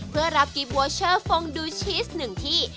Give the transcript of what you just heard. เพื่อรับกิจกรรมฟองดูชีส๑ที่